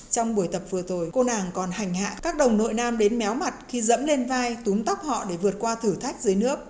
trong buổi tập vừa rồi cô nàng còn hành hạ các đồng đội nam đến méo mặt khi dẫm lên vai túm tóc họ để vượt qua thử thách dưới nước